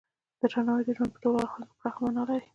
درناوی د ژوند په ټولو اړخونو کې پراخه معنی لري.